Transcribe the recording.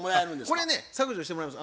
これね削除してもらえます。